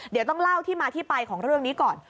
เดี๋ยวต้องเล่าที่มาที่ไปของเรื่องนี้ก่อน